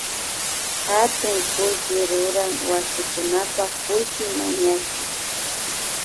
Hatun kullki ruran wasikunapak kullki mañachik